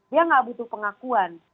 dia tidak butuh pengakuan